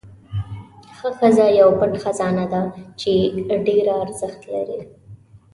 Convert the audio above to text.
ښه ښځه یو پټ خزانه ده چې ډېره ارزښت لري.